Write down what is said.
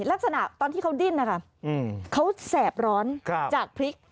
ลักษณะตอนที่เขาดิ้นนะคะเขาแสบร้อนจากพริก